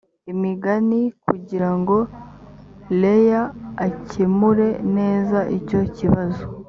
imigani kugira ngo leah akemure neza icyo kibazo